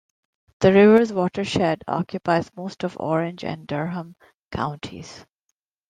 The river's watershed occupies most of Orange and Durham counties.